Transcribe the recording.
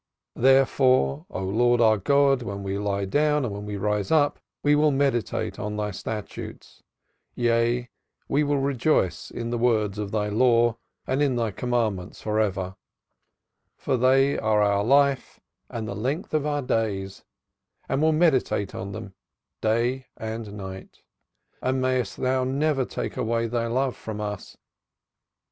Therefore, O Lord our God, when we lie down and when we rise up we will meditate on Thy statutes: yea, we will rejoice in the words of Thy Law and in Thy commandments for ever, for they are our life and the length of our days, and will meditate on them day and night. And mayest Thou never take away Thy love from us.